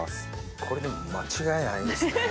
これでもう間違いないですね。